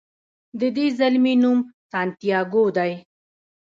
د دې زلمي نوم سانتیاګو دی.